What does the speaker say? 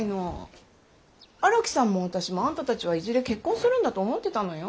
荒木さんも私もあんたたちはいずれ結婚するんだと思ってたのよ。